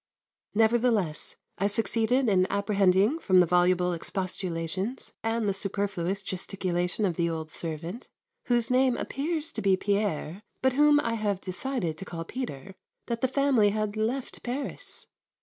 Nevertheless, I succeeded in apprehending from the voluble expostulations and the superfluous gesticulation of the old servant, whose name appears to be Pierre, but whom I have decided to call Peter, that the family had left Paris.